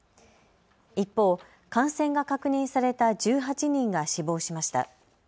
一方、感染が確認された１８人が死亡しました。